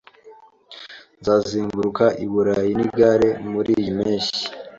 Nzazenguruka u Burayi nigare muriyi mpeshyi